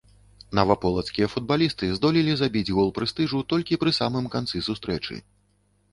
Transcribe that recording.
Наваполацкія футбалісты здолелі забіць гол прэстыжу толькі пры самым канцы сустрэчы.